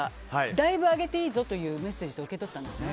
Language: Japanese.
だいぶ上げていいぞというメッセージと受け取ったんですね。